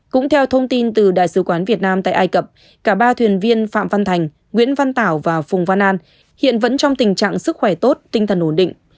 cũng theo thông tin từ đại sứ quán việt nam tại ai cập cả ba thuyền viên phạm văn thành nguyễn văn tảo và phùng văn an hiện vẫn trong tình trạng sức khỏe tốt tinh thần ổn định